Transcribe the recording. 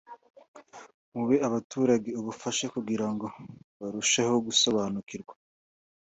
muhe abaturage ubufasha kugira ngo barusheho gusobanukirwa